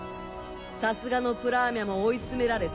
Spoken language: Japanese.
さすがのプラーミャも追い詰められた。